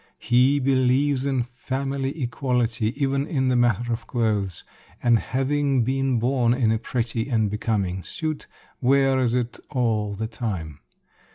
He believes in family equality, even in the matter of clothes; and having been born in a pretty and becoming suit, wears it all the time.